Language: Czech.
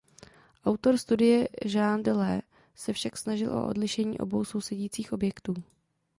Autor studie Jean Le Lay se však snažil o odlišení obou sousedících objektů.